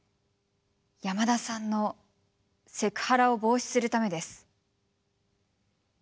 山田さんのセクハラを防止するためです。